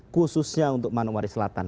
khususnya untuk manowari selatan